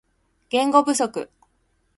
言語不足